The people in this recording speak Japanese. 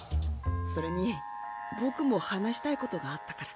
それに僕も話したいことがあったから。